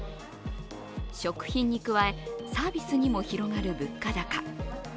食品に加え、サービスにも広がる物価高。